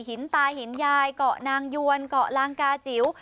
หินตาหินยายเกาะนางยวนเกาะลังกาจิ๋ว